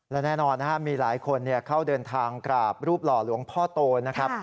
และแน่นอนนะครับมีหลายคนเข้าเดินทางกราบรูปหล่อหลวงพ่อโตนะครับ